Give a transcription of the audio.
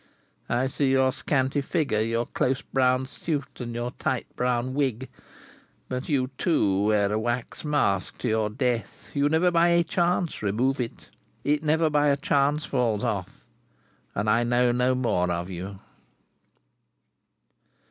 I see your scanty figure, your close brown suit, and your tight brown wig; but you, too, wear a wax mask to your death. You never by a chance remove it—it never by a chance falls off—and I know no more of you."